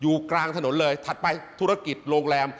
กลางถนนเลยถัดไปธุรกิจโรงแรม